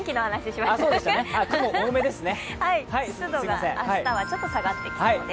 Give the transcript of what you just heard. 湿度が明日はちょっと下がってきそうです。